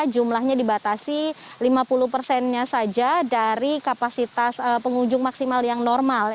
jumlahnya dibatasi lima puluh persennya saja dari kapasitas pengunjung maksimal yang normal